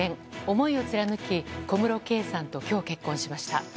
思いを貫き小室圭さんと今日、結婚しました。